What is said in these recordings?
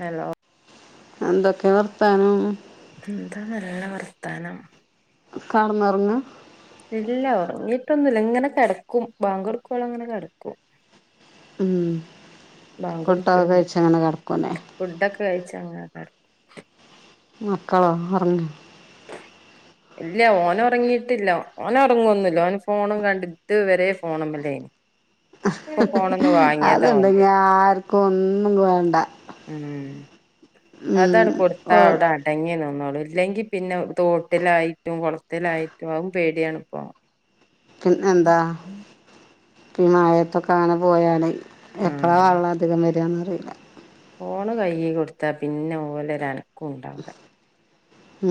hello എന്തൊക്കെയാ വർത്താനം എന്താ നല്ല വർത്താനം കടന്നുറങ്ങ് ഇല്ല ഉറങ്ങിയിട്ടൊന്നുമില്ല ഇങ്ങനെ കിടക്കും ബാങ്ക് കോടുക്കോളും അങ്ങനെ കിടക്കും ഉ ഫുഡ്‌കോ കഴിച്ചങ്ങനെ കടകുലേ ഫുഡ് ഒക്കെ കഴിച്ചഅങ്ങനെ മക്കളോ ഉറങ്ങിയോ ഇല്ല ഓനൊറങ്ങിയിട്ടില്ല ഓനൊ റങ്ങൊന്നുല്ല ഓൻ ഫോണും കണ്ടിട്ട് വരെ ഫോൺമ്മലേനി അത് ഓന്റെ ഇണ്ടാക്കി ആർകൊന്നും വാണ്ട ഉം അതാണ് കൊടുത്താ ഓ അവ്ടെ അടങ്ങി അടങ്ങി നിന്നോളും ഇല്ലെങ്കി പിന്നെ തോട്ടിലായിട്ടും കൊളത്തിലായിട്ടും അവും പേടിയാണ് പോ പിന്നെന്താ മാഴൊത്തൊക്കാങ്ങനെ പോയല് എപ്പളാ ആഹ് വള്ളം അധികം വരാന്ന് അറീല്ല ഫോണ് കൈൽ കൊടുത്താ പിന്നെ ഓലെരു അൻക്കും ഉണ്ടാവുല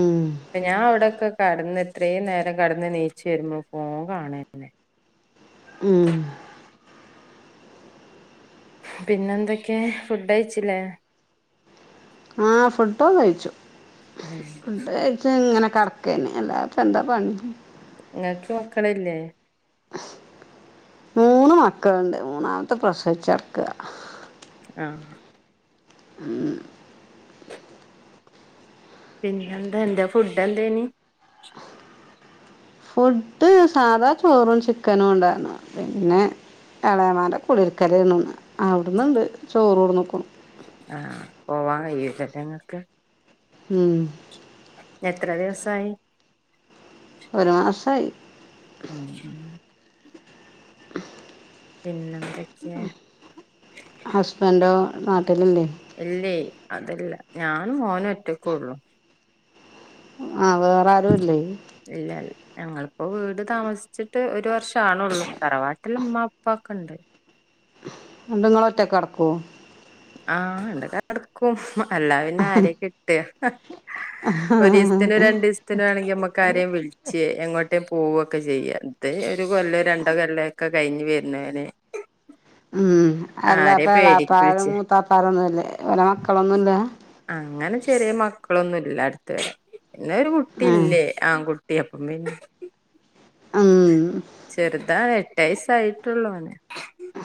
ഉം പ്പെ ഞാൻ അവിടെക്കെ കടന്ന് എത്രേയും നേരം കടന്ന് നീച്ച് വര്മ്പളും ഫോൺകാണന്നെ ഉം പിന്നെന്തക്കെ ഫുഡെയ്ച്ചീല്ലേ ആ ഫുഡോന്ന് കഴ്ച്ചു ഉം ഫുഡ് കഴ് ച്ങ്ങനെ കട്ക്കന്നെ അല്ലാപ്പന്താ പണി ങ്ങക്ക് മക്കളില്ലേ മൂന്ന് മക്കൾണ്ട് മൂന്നാമത്തെ പ്രസവിച്ചട്ക്കാ ആ ഉം പിന്നെന്താ ന്താ ഫുഡെന്തേനി ഫുഡ് സാധാ ചോറും ചിക്കനും ഉണ്ടാര്ന്നു പിന്നെ എളാമാന്റെ കുടിൽക്കേലേയ്ര്ന്നു ഇന്ന് അവ്ട്ന്ന്ണ്ട് ചോറൊട്ന്ന്ക്ക്ണു ആ പോവാൻ കഴില്ലല്ലെ ങ്ങക്ക് ഉം എത്ര ദിവസായി ഒരു മാസയി ഉമ് പിന്നെന്ത ഹസ്ബന്റോ നാട്ടിലില്ലേ ഇല്ലേ അതല്ല ഞാനും മോനും ഒറ്റ കൊള്ളു ആഹ് വേറെ ആരുല്ലേ ഇല്ലല്ല ഞങ്ങളിപ്പോ വീട് താമസിച്ചിട്ട് ഒരു വർഷംമാണള്ളൂ തറവാട്ടിൽ ഉമ്മ അപ്പ ഒക്കെ ഉണ്ട് ന്തങ്ങൾ ഒറ്റകടക്കോ ആ ണ്ടക്കെ കട്ക്കും അല്ലാ പിന്നെ ആരെയാ കിട്ടാ ഒരീസത്ത്നും രണ്ട്സ്ത്തിനു ആണെങ്കി നമ്മക് ആരെയും വിളി ച്ചെ എങ്ങോട്ടേ പോവൊക്കെ ചെയ്യ ഇത് ഒരു കൊല്ലോ രണ്ടോ കൊല്ലൊക്കെ കഴിഞ് വര്‌നെൻ ഉം പേടിക്ക് അല്ലപ്പെളാപ്പാരും വിളിച്ച് മൂത്താപ്പാരൊന്നുല്ലേ ഓലെ മക്കളൊന്നുല്ല അങ്ങനെ ചെറിയ മക്കളൊന്നുംല്ല അട്ത്ത് വരെ പിന്നെ ഒരു ആ കുട്ടില്ലേ ആൺകുട്ടി അപ്പം പിന്നെ - ആഹ് ചെർതാ എട്ടയ്സ്സായിട്ടുള്ളു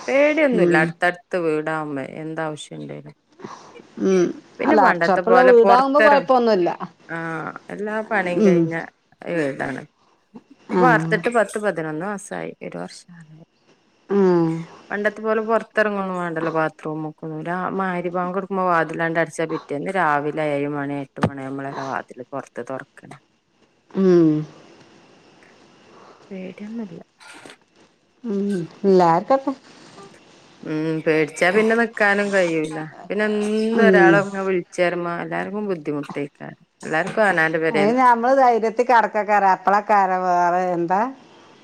പേടിയൊന്നുല്ല ഉം അട്ത്തട് ത്ത് വീടാവ്മ്പയെ എന്താവ്ശ്യംണ്ടേലും ഉം അല്ല അടച്ചൊർപ്പ്ള്ള പോലെ വീടാവ്മ്പോ പൊറത്തെറ കൊഴപ്പൊന്നുല്ല ആഹ് എല്ലാ പണിം കഴിഞ്ഞ ഴേ വീടാണ് ഇപ്പ ആ പാർത്തിട്ട് പത്ത് പതിനൊന്ന് മാസയി ഒര് വർഷ ആ പണ്ടത്തെ പോലെ പൊർത്തർങ്ങുന്നു വാണ്ടല്ലോ ബാത്റൂമ്ക്കും ണ്ടാ മഹ് രിബാ ങ്കൊട്ക്കുമ്പോ മോ വാതിലാണ്ട് അട്ച്ചാ പിറ്റേന്ന് രാവിലെ ഏഴ് മണിയായ്ട്ട് എട്ട് മണിയാവ്മ്പളല്ലെ വാതിൽ പൊർത്ത് തൊർക്ക ഉം ടിയൊന്നുല്ല ഉമ് ഇല്ലാര്ക്കട്ടെ ഉം പേടിച്ചാ പിന്നെ നിക്കാനും കഴൂല്ല പിന്നെ എന്നും ഉം ഒരാൾങ്ങെ വിൾ ചേർമ എല്ലാർക്കും ബുദ്ധിമുട്ടേക്കാരം എല്ലാർക്കും അനാന്റെ പേരേന്ന് [unintelligible] കടക്ക കറപ്പള കര വേറ എന്താ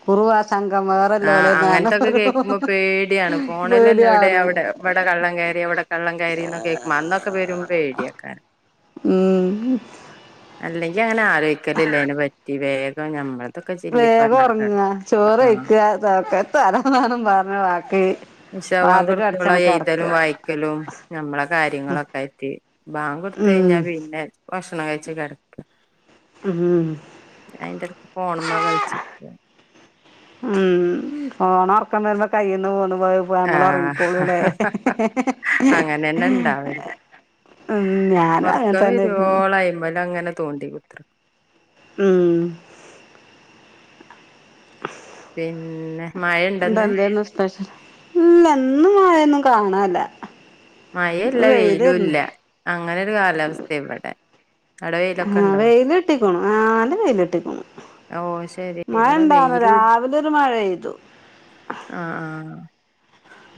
ഗുരുവാസ സങ്കം ആഹ് അങ്ങനത്തൊക്കെ വേറെല്ലേളെന്നാര കേൾക്കുമ്പോ പേടിയാണ് ഫോണിലന്നെ ഇവിടെ പേടിയാവണ് അവിടെ ഇവിടെ കള്ളൻ കയറി അവിടെ കള്ളൻ കയറി എന്നൊ കേൾക്കുമ്പ അന്നൊക്കെ വരുമ്പോ പേടിയ ആക്കാരം ഉം അല്ലെങ്കി അങ്ങനെ ആലോയിക്കലില്ല അയ്നെ പറ്റി വേഗം ഞമ്മൾ മത്തൊക്ക ചി പറർഞ്ഞടുക്കാട ആ ഇതക്ക തരന്നും പറഞ്ഞ വാക്ക് ഇഷ ബാങ്ക് വാതിലും കൊടുക്കുവുള്ള അടച്ചണ് കെടക്ക എഴ്തലും വായിക്കലും നമ്മളെ കാര്യങ്ങളൊക്കെ ആയിട്ട് ബാങ്ക് കൊടുത്ത് ഉം കഴിഞ്ഞാ പിന്നെ ഭക്ഷണം കഴിച്ച കിടക്ക ഉം അയിന്റെ എടക്ക് ഫോണമ്മ കളിച്ച ഉം ഫോണറക്കം വരുമ്പോ കയ്യിൽന്ന് പോന്നു പോയി നമ്മള് ആഹ് ഒറങ്ങിക്കോളൂല്ലേ [unintelligible] അങ്ങനെന്നെ ഇണ്ടാവല് ഉം ഞാനും അങ്ങനെ ഉറക്കം തന്നെയായിരുന്നു വരുവോളം അയിന്മേൽ അങ്ങനെ തോണ്ടി കുത്ര ഉം പിന്നെ എന്ത മഴണ്ടന്ന് എന്തൊന്നും സ്പെഷൽ ഇല്ല ഇന്ന് മായൊന്നും കാണല്ല മയയും ഇല്ല വെയിലും ഇല്ല അങ്ങനെ ഒരു കാലാവസ്ഥ ഇവിടെ അവിടെ വെയിലൊക്കെ ആഹ് ഇണ്ടോ വെയിലിട്ടിക്കോണു ആഹ് നല്ല വെയിലിട്ടിക്കോണു ഓ ശരി മഴ ഉണ്ടാവുന്ന് രാവിലെ ഒരു മഴെയ്തു ആഹ് ആഹ്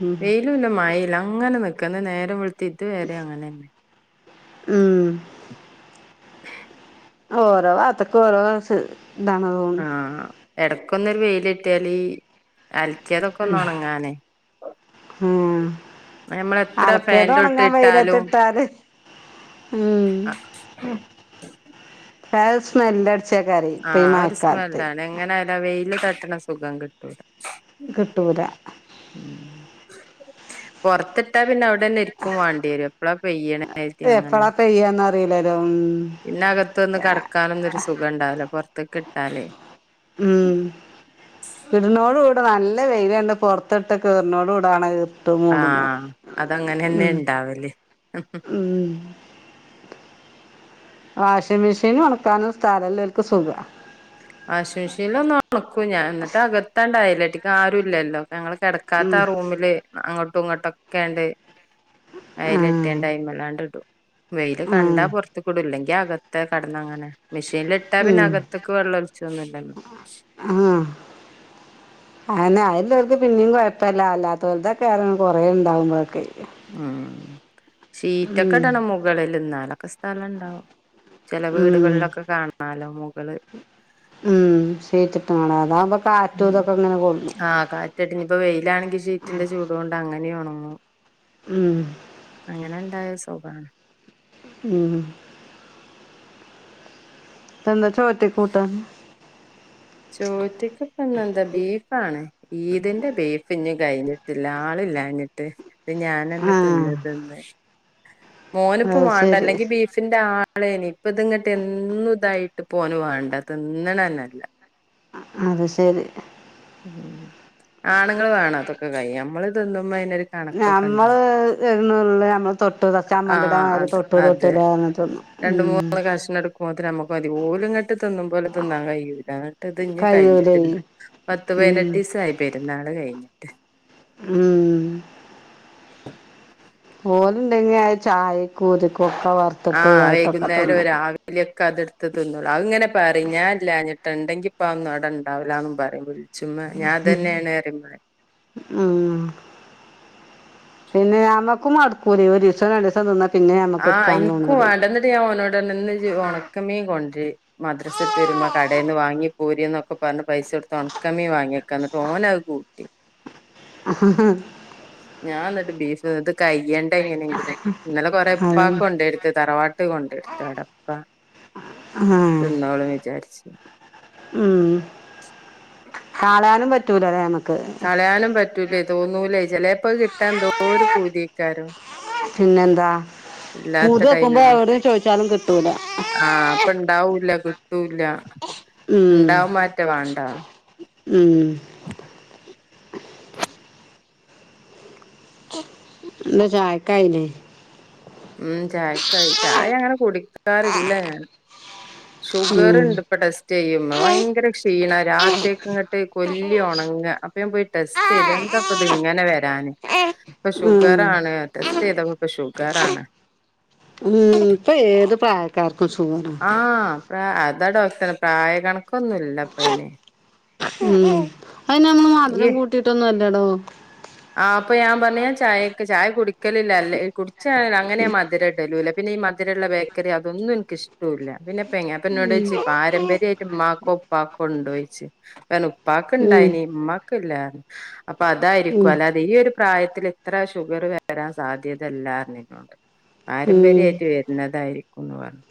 ഉം വെയിലു ഇല്ല മഴയുല്ല അങ്ങനെ നിക്കന്ന നേരം വെളു തിദ് വെരെ അങ്ങനെ തന്നെ ഉം ഓരോ ഭാഗത്തേക്ക് ഓരോ ത് എന്താണ് എടക്കൊന്നരു വെയിലിട്ടിയാല് അലക്കിയതൊക്കെ ഒന്നോണങ്ങാനെ ഉം എത്ര അലക്കേത് ഫാന്റെ ചോട്ടില് ഉണങ്ങാൻ ഇട്ടാലും വെയിലത്തിട്ടാല് ഉം ഏഹ് സ്മെൽ അ ച്ചക്കറി പ്പ ഈ മയക്കാലത്ത് അത് എങ്ങനെയായാല് ആ വെയില് തട്ടണ സുഖം കിട്ടൂല കിട്ടൂല ഉം പുറത്തിട്ടാ പിന്നെ അവി അവിടെന്നെ ഇരിക്കും വാണ്ടിയര് എപ്പഴാ പെയ്യണത്തി അങ്ങനെ പെയ്യ എന്ന റില്ലല്ലോ പിന്നെ അകത്തൊന്ന് കടക്കാനൊന്നും ഒരു സുഖംണ്ടാവില്ല പുറത്തേക്ക് ഇട്ടാലേ ഉം ഇടുന്നോട കൂടെ നല്ല വെയില് കണ്ട് പുറത്തിട്ട് [unintelligible] കൂടാണ് ഇപ്പൊ മൂടുന്നോ ആഹ് അതങ്ങനെന്നെ ഉം ഇണ്ടാവല് ഉം വാഷിംഗ് മെഷീൻ ഉണക്കാനും സ്ഥലല്ലോക്ക് സുഖ വാശിമിഷില് ഒന്ന് ഉണക്കും ഞാൻ എന്നിട്ട്കത്താണ്ടായില്ലട്ടിക്കും ആരും ഇല്ലല്ലോ ഞങ്ങൾ കിട കാത്ത ഉം ആ റൂമില് അങ്ങോട്ടും ഇങ്ങോട്ടൊക്കെയണ്ട് അയല ആഹ് എട്ടിയണ്ട് അയിമേലാണ്ട് ഇടും വെയില് കണ്ടാ ആഹ് പുറത്തേക്ക് ഇടും ഇല്ലെങ്കി അക ത്തെ കടന്ന അങ്ങനെ മെഷീനിലിട്ടാ പിന്നെ ഉം അകത്തേക്ക് വെള്ളം ഒലിച്ചൊന്നു ഇല്ലല്ലോ ആഹ് അങ്ങനെ അയ ഉള്ളോർക്ക് പിന്നേം കുഴപ്പില്ലാ അല്ലാതോൽദെക്കെ ആ കൊറേ ഉണ്ടാവുമ്പോക്കെ ഉം ഷീറ്റൊക്കെ ഇടണം മുകളിൽ എന്നാലൊക്കെ സ്ഥലുണ്ടാവും ചില ഉം വീടുകളിലൊക്കെ കാണാലോ മുകള് ഉം ഷീറ്റിട്ട് കാണ അതാകുമ്പോ കാറ്റും ഇതൊക്കെ ഇങ്ങനെ കൊള്ളു ആഹ് കാ ട്ടിഞ്ഞിപ്പ വെയിലാണെങ്കി ഷീറ്റിന്റെ ചൂട് കൊണ്ട് അങ്ങനെയൊണങ്ങും ഉം അങ്ങനെ ഉണ്ടായ സുഖാണ് ഉം എന്താ ചോറ്റെ കൂട്ടാൻ ചോറ്റിക്ക് ഇപ്പ ഇന്ന് എന്ത ബീഫ് ആണ് ഈദിന്റെ ബീഫ് ഇഞ്ഞ് കയിഞ്ഞിട്ടില്ല ആള് ഇല്ലാഞ്ഞിട്ട് അത് ഞാനന്നെ ആഹ് തിന്ന് തിന്ന് മോനിപ്പ അത് വാണ്ട ശരി അല്ലെങ്കി ബീഫ് ഫിന്റെ ആളേനി ഇപ്പ ഇത് ഇങ്ങട്ട് എന്നും ഇതായിട്ട് ഓൻ വാണ്ട തിന്നണന്നല്ല അത് ശരി ഉം ആണ്ങ്ങൾ വേണം ഇതൊക്കെ കയ്യാൻ നമ്മള് തിന്നുമ്പോ അയിന് ഒരു നമ്മള്ള് എന്നുള്ളെനമ്മള് തൊട്ടു തൊട്ടു ആഹ് ചമ്മന്തിയുടെമാരി അത് തൊട്ടു അതെ തൊട്ടുല്ലാന്ന് തിന്നും രണ്ട് ഉം മൂന്ന് [unintelligible] നമുക്ക് മതി പോലുംങ്ങട്ട് തിന്നും പോലെ തിന്നാൻ കയൂല്ല എന്നിട്ട് ഇതി ഇഞ് കഴിയൂലേ കയിഞ്ഞിട്ടില്ല പത്ത് ഉം പതിനെട്ടീസായി പെരുന്നാള് കഴിഞ്ഞിട്ട് ഉം ഓലുണ്ടെങ്കി ചായക്കോ ഇതൊക്കെ വറുത്ത് ആഹ് വൈകുന്നേരം രാവിലയൊക്കെ അതെടുത്ത് തിന്നല അത് അങ്ങനെ പറഞ്ഞ ഞാൻഇല്ലാഞ്ഞിട്ട് ടെണ്ടങ്കി അപ്പ ഒന്നും അവിടെണ്ടാവില്ലും പറയും വിളിച്ചുമ്മ ഞാൻ തന്നെയാണ് പറയുമ്പളെ അഹ് പിന്നെ ഞമ്മക്കും മടുക്കൂലേ ഒരീസം രണ്ടീസം തിന്ന പിന്നെ ഞമ്മക്ക് എടുക്കാന്ന് തോന്നൂലേ ഓനോട്‌ പറഞ്ഞ് ന്ന ഇജ്ജ് ഒണക്കമീൻ കൊണ്ടര് മദ്രസ വിട്ട് വരുമ്പ കടേന്ന് വാങ്ങി പോര്ന്നൊക്കെ പറഞ്ഞ് പൈസ കൊടുത്ത് ഒണക്കമീൻ വാങ്ങി ക്ക ഓൻ അത് കൂട്ടി അഹാഹ ഞാൻ എന്നിട്ട് ബീഫ് ഇത് കയ്യേണ്ട എങ്ങനെയെങ്കിലും ഇന്നലെ കൊറേ ഉപ്പാക്ക് അതന്നെ കൊണ്ടെയൊടുത്ത് തറവാട്ട് കൊണ്ടെയൊടുത്തു അവിട ഉപ്പാ ആഹ് തിന്നോളും വിചാരിച്ച് ഉം കാളാനും പറ്റൂലാലേ നമുക്ക് കളയാനും പറ്റൂല ഇതൊന്നൂലേ ചെലേപ്പോ ഇത് കിട്ടാൻ എന്തോ ഒരു പൂതിയാക്കാരും പിന്നെന്താ ഇല്ലാത്ത പൂതു വെക്കുമ്പോ ടൈമില് എവിടെ ചോദിച്ചാലും കിട്ടൂല ആഹ് അപ്പ ഇണ്ടാവൂല്ല കിട്ടൂല്ല ഉം ഇണ്ടാവും ആറ്റ വേണ്ടാ ഉം എന്താ ചായക്കായില്ലേ ഉം ചായക്കായി ചായ അങ്ങനെ കുടിക്കാറില്ല ഞാൻ ഉം ഷുഗർണ്ട് ഇപ്പൊ ടെസ്റ്റ് യ്യുമ ഭയങ്കര ക്ഷീണം രാത്രിയൊക്കെ ഇങ്ങട്ട് കൊല്ലി ഒണങ്ങ അപ്പ ഞാൻ പോയി ടെസ് റ്റെയ്ത് എന്തപ്പത് ഇങ്ങനെ വരാന് ഏ ഇപ്പൊ ഷുഗർ ആണ് ടെസ്റ്റ് ചെയ്തപ്പൊ ഷുഗർ ആണ് ഉ ഇപ്പ ഏത് പ്രായക്കാർക്കും ഷുഗ ആഹ് പ്ര അതാ ഡോക്ർ പ്രായ കണക്കൊന്നുല്ലപ്പ അയിന് ഉം അയിന് നമ്മള് മധരം കൂട്ടിട്ടൊന്നുല്ലടോ ആഹ് അപ്പൊ ഞാൻ പറഞ്ഞ് ചായക്ക് ചായ കുടിക്കലില്ല അല്ല കുടിച്ച അങ്ങനെ മധുര ഇടല്ലുല്ല പിന്നെ ഈ മധരള്ള ബേക്കറി അതൊന്നും എനക്കിഷ്ടല്ല പിന്നെപ്പ എങ്ങ പിന്ന എന്നോട് ചോയിച്ച് പാരമ്പര്യായിട്ട് ഉമ്മാക്കോ ഉപ്പാക്കോ ഉണ്ടോയിച്ച് പറഞ്ഞ് ഉപ്പാക്ക് ഉം ഇണ്ടായിനി ഉമ്മാക്ക് ഇല്ല പറഞ്ഞ് അപ്പൊ ഉം അതായിരിക്കും അല്ലാതെ അത് ഈ ഒരു പ്രായത്തില് ഇത്ര ഷുഗർ വരാൻ സാധ്യത ഇല്ല പറഞ്ഞ് എന്നോട് ഉം പാരമ്പര്യായിട്ട് വരുന്നതായിരിക്കുംന്ന് പറഞ്ഞു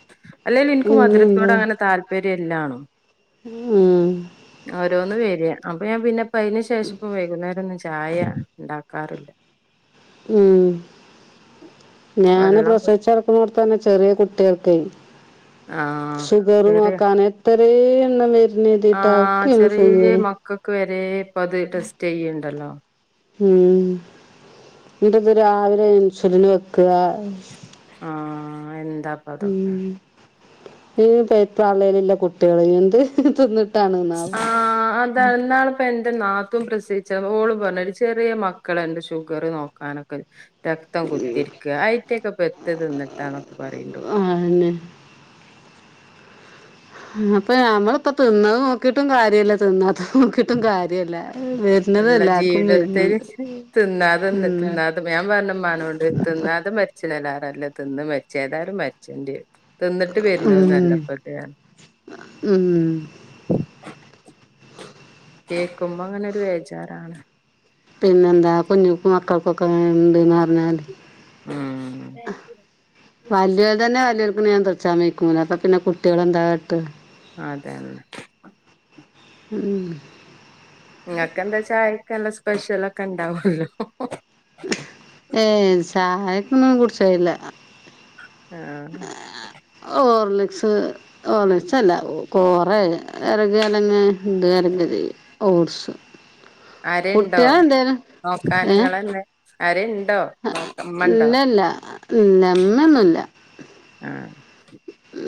അല്ലേൽ എനിക്ക് പിന്നെന്താ മധുരത്തോട് അങ്ങനെ താല്പര്യം പ്പര്യല്ലാണു ഉം ഉ ഓരോന്നുവരിക അപ്പൊ ഞാൻപിന്നെയിപ്പം അതിനു ശേഷം ഇപ്പ വൈകുന്നേരമൊന്നിച്ച് ചായ ഉണ്ടാക്കാറില്ല ഉം ഞാന് വെള്ളം പ്രസവിച്ചു കിട ഇവിടെതന്നെ ചെറിയ കുട്ടികൾക്കേ ആഹ് ഷുഗറു ചെറിയ നോക്കാന് ഇത്തറേയൊള്ള മരുന്നു കിട്ടിയിട്ട് അവക്ക് യൂസ് [unintelligible] ക്ക് വരെ ഇപ്പോ അത് ടെസ്റ്റ് ചെയ്യണ്ടല്ലോ ഉം എന്നിട്ടിത് രാവിലെ ഇൻസുലിന് വെക്കുക ആഹ് എന്താ അപ്പോ അതൊക്കെ ഉം ഈ [unintelligible] ഉള്ള കുട്ടികള് എന്ത് തിന്നിട്ട് ആഹ് അതാ ഇന്നാള് ഇപ്പൊ എന്റെ നാത്തൂൻ പ്രസവിച്ച് ഓള് പറയും ചെറിയ മക്കളാ എന്റെ ഷുഗറ് നോക്കാനൊക്കെ രക്തം കുത്തിയെടുക്കുക അതിറ്റെയൊക്കെ പെത്ത തിന്നിട്ടാണൊക്കെ പറയേണ്ടത് തന്നെ അപ്പോ നമ്മളിപ്പോ തിന്നത് നോക്കീട്ടും കാര്യവില്ല തിന്നാത്തത് നോക്കീട്ടും കാര്യവില്ല ഉള്ള ജീവിതത്തിൽ തിന്നാതെ എന്നിട്ട് ഉം തിന്നാതെ ഞാൻ പറഞ്ഞു ഉമ്മാനോട് തിന്നാതെ മ [unintelligible] തിന്ന് മരിച്ചേ ഏതായാലും മരിച്ചണ്ടി വരും ഉം ഉം കേക്കുമ്പോ അങ്ങനൊരു ബേജാറാണ് പിന്നെന്താ കുഞ്ഞുങ്ങൾക്കും മക്കൾക്കൊക്കെ എങ്ങനെയുണ്ട് എന്ന് പറഞ്ഞാല് ഉം വലിയവർ തന്നെ വലിയൊരു നിയന്ത്രിച്ച [unintelligible] അപ്പ പിന്നെ കുട്ടികള് എന്താ കാട്ടുക അത് തന്നെ ഉം നിങ്ങൾക്കെന്താ ചായക്ക് നല്ല സ്പെഷ്യലൊക്കെ ഉണ്ടാവുവല്ലോ ഏ ചായക്കൊന്നും കുടിച്ചേയില്ല ആഹ് ഹോർലെക്സ് ഹോർലെക്സല്ല ഓ കുറേ കരഞ്ഞാലങ്ങ് ഇത് കലക്കി തരും ഓട്സ് ആരേലുമുണ്ടോ കുട്ടികൾ എന്തേലും നോക്കാൻ നിങ്ങളെ തന്നെ ആരേലുമുണ്ടോ ഇല്ലില്ല ഇല്ല അമ്മയൊന്നുമില്ല ആഹ്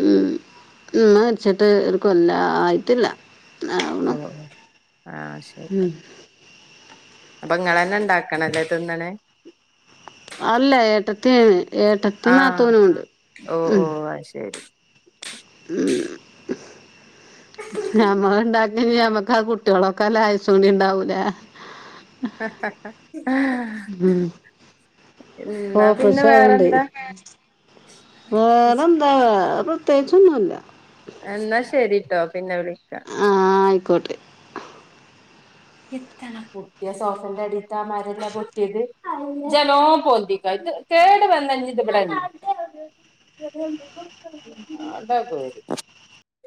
ഉം ഉമ്മ മരിച്ചിട്ട് ഒരു കൊല്ലം ആയിട്ടില്ല ഒന്നാവണ് ഓ ആഹ് ശരി ഉം അപ്പൊ ഇങ്ങള് തന്നെ ഉണ്ടാക്കണമല്ലേ ഇതിങ്ങനെ അല്ല ഏട്ടത്തി ഏട്ടത്തിയും ആഹ് നാത്തൂനും ഉണ്ട് ഓ ഉം ഓ അത് ശരി ഉം ഞമ്മള് ഉണ്ടാക്കി കഴിഞ്ഞാൽ ഞമ്മക്കാ കുട്ടികളേ നോക്കാൻ ആയുസ് കൂടിയുണ്ടാവൂല്ലേ ഉം ഓ എന്നാ പിന്നെ പ്രഷറുണ്ട് വേറെന്താ വേറെ ന്താ വേറെ പ്രത്യേകിച്ചൊന്നുമില്ല എന്നാ ശരിയിട്ടോ പിന്നെ വിളിക്കാം ആഹ് ആയിക്കോട്ടെ എത്തണം കുട്ടിയാ സോഫാന്റെ അടിയിലത്തെ ആ മരമല്ലേ പൊട്ടിയത് ജലോ പൊന്തിക്ക കേട് വന്ന് കഴിഞ്ഞിട്ട് ഉം അതാ പോയത്